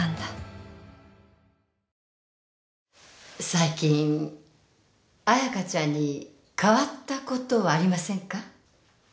最近彩香ちゃんに変わったことはありませんか？